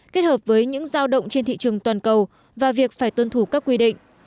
kết hợp với những giao động trên thị trường toàn cầu và việc phải tuân thủ các quy định